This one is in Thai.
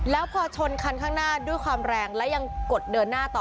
แล้วพอชนคันข้างหน้าด้วยความแรงและยังกดเดินหน้าต่อ